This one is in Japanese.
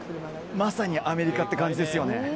まさにアメリカって感じですよね。